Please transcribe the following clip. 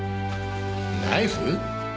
ナイフ？